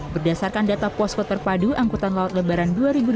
berdasarkan data poskot perpadu angkutan laut lebaran dua ribu dua puluh dua